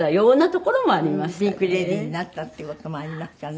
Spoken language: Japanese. ピンク・レディーになったっていう事もありますかね。